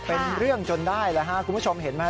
เป็นเรื่องจนได้แล้วฮะคุณผู้ชมเห็นไหม